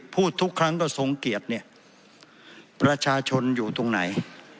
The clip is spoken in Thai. ทุกครั้งก็ทรงเกียรติเนี่ยประชาชนอยู่ตรงไหน